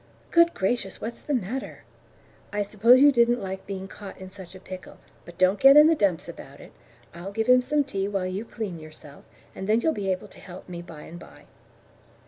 "Good gracious, what's the matter? I suppose you didn't like being caught in such a pickle, but don't get in the dumps about it. I'll get him some tea while you clean yourself, and then you'll be able to help me by and by."